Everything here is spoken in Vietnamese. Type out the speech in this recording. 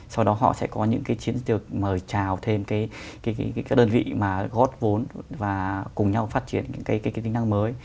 sau đó họ sẽ có những cái chiến lược mời trào thêm cái đơn vị mà góp vốn và cùng nhau phát triển những cái tính năng mới